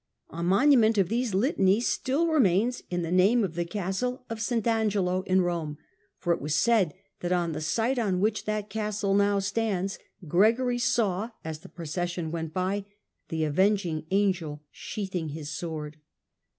A monument of these litanies still remains in the name of the Castle of St. Angelo in Eome, for it was said that on the site on which that castle now stands Gregory saw, as the procession went by, the avenging angel sheathing his sword.